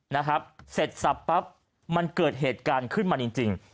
นะครับเสร็จสับปั๊บมันเกิดเหตุการณ์ขึ้นมาจริงจริง